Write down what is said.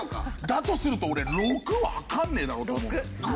だとすると俺６わかんねえだろうと思うんだけど。